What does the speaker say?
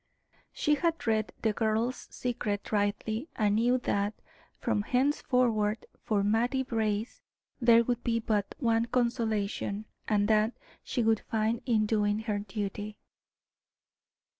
She had read the girl's secret rightly, and knew that, from henceforward, for Mattie Brace, there would be but one consolation, and that she would find in doing her duty.